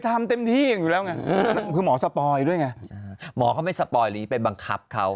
ประเด็นคือมาสลบ